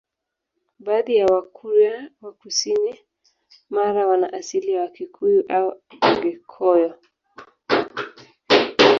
Baadhi ya Wakurya wa kusini Mara wana asili ya Wakikuyu au Abhaghekoyo